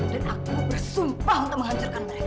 dan aku bersumpah untuk menghancurkan mereka